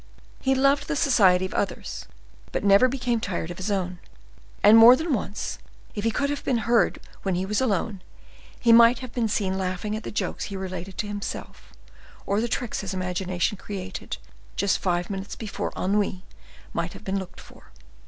He loved the society of others, but never became tired of his own; and more than once, if he could have been heard when he was alone, he might have been seen laughing at the jokes he related to himself or the tricks his imagination created just five minutes before ennui might have been looked for.